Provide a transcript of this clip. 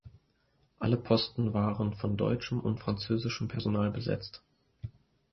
Alle Posten waren von deutschem und französischem Personal besetzt.